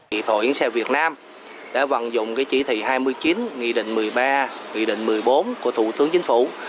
hiệp hội hiến xe việt nam đã vận dụng chỉ thị hai mươi chín nghị định một mươi ba nghị định một mươi bốn của thủ tướng chính phủ